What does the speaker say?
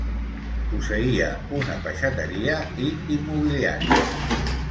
Posseïa una peixateria i immobiliàries.